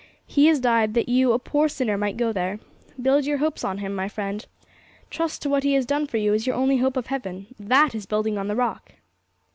He has died that you, a poor sinner, might go there. Build your hopes on Him, my friend. Trust to what He has done for you as your only hope of heaven that is building on the Rock!'